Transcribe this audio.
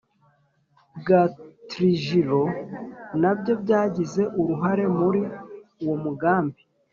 Bwa trujillo na byo byagize uruhare muri uwo mugambi